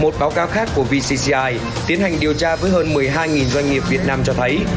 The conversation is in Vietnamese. một báo cáo khác của vcci tiến hành điều tra với hơn một mươi hai doanh nghiệp việt nam cho thấy